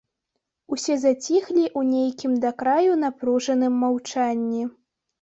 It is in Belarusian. Усе заціхлі ў нейкім да краю напружаным маўчанні.